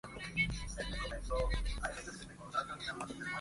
Ambos comparten caballo en su camino a Pyke y Theon comienza a seducirla.